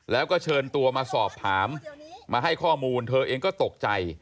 แล้วก็เชิญตัวมาสอบถามมาให้ข้อมูลเธอเองก็ตกใจ